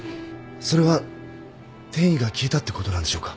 それは転移が消えたってことなんでしょうか？